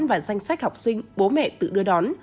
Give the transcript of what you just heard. và danh sách học sinh bố mẹ tự đưa đón